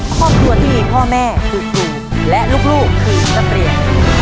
ครอบครัวที่มีพ่อแม่คือครูและลูกคือนักเรียน